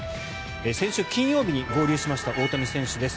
先週金曜日に合流しました大谷選手です。